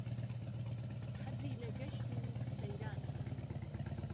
حهزی له گهشت و سهیرانه